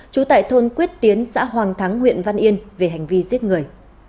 trú tại thôn quyết tiến xã hoàng thắng huyện văn yên về hành vi giết người